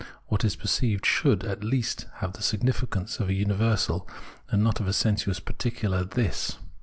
What is perceived should, at least, have the significance of a universal, and not of a sensuous particular " this."